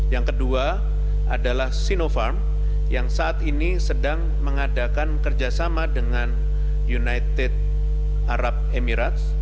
yang kedua adalah sinopharm yang saat ini sedang mengadakan kerjasama dengan united arab emirates